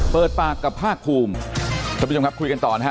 เปิดปากกับภาคภูมิท่านผู้ชมครับคุยกันต่อนะฮะ